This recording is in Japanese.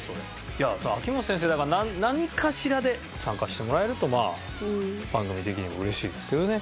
いやそれは秋元先生だから何かしらで参加してもらえると番組的にも嬉しいですけどね。